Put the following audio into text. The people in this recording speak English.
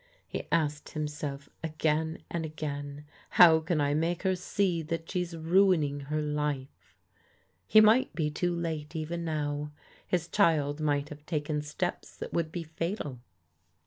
he asked himself again and again, "how can I make her see that she's ruining her life?" He might be too late even now. His child might have taken steps that would be fatal.